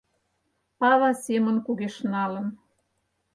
Пава семын кугешналын